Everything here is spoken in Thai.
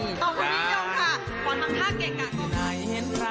ต้องพยายามค่ะ